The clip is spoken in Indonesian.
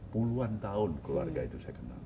puluhan tahun keluarga itu saya kenal